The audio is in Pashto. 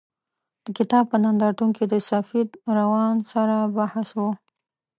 د کتاب په نندارتون کې د سفید روان سره بحث و.